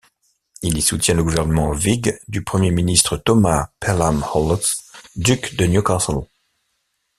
Il y soutient le gouvernement whig du Premier ministre Thomas Pelham-Holles, duc de Newcastle.